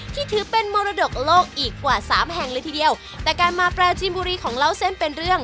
ที่ถือเป็นมรดกโลกอีกกว่าสามแห่งเลยทีเดียวแต่การมาปราจีนบุรีของเล่าเส้นเป็นเรื่อง